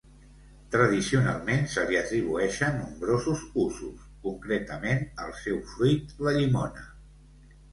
Tradicionalment se li atribueixen nombrosos usos, concretament, al seu fruit, la llimona.